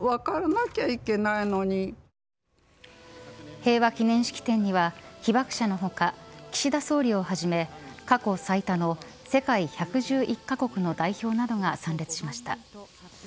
平和記念式典には被爆者の他、岸田総理をはじめ過去最多の世界１１１カ国の代表などが参列しました。